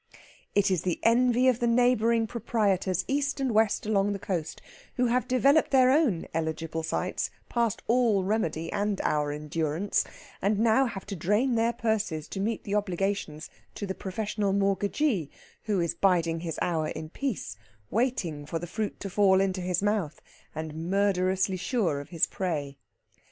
It is the envy of the neighbouring proprietors east and west along the coast, who have developed their own eligible sites past all remedy and our endurance, and now have to drain their purses to meet the obligations to the professional mortgagee, who is biding his hour in peace, waiting for the fruit to fall into his mouth and murderously sure of his prey.